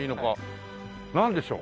なんでしょう？